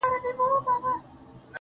ځوان د سگريټو تسه کړې قطۍ وغورځول~